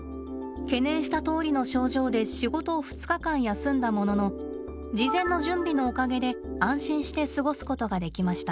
懸念したとおりの症状で仕事を２日間休んだものの事前の準備のおかげで安心して過ごすことができました。